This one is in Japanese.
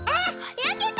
やけた！